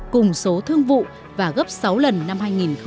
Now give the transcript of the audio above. cùng số thương vụ và gấp sáu lần năm hai nghìn một mươi